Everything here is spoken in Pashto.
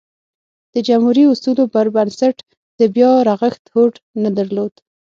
د جمهوري اصولو پربنسټ د بیا رغښت هوډ نه درلود.